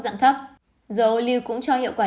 dạng thấp dầu ô lưu cũng cho hiệu quả